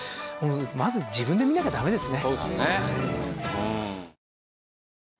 まず自分で見なきゃダメですね。